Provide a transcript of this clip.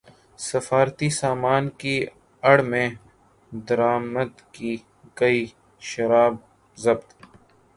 سفارتی سامان کی اڑ میں درامد کی گئی شراب ضبط